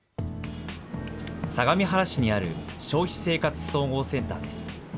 相模原市にある消費生活総合センターです。